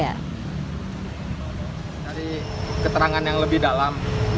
dari keterangan yang lebih dalam